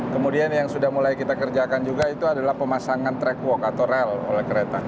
kemudian yang sudah mulai kita kerjakan juga itu adalah pemasangan track walk atau rel oleh kereta